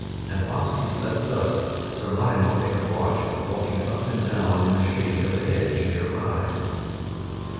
And, whilst he slept thus, Sir Lionel kept watch, walking up and down in the shade of a hedge near by.